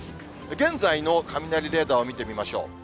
現在の雷レーダーを見てみましょう。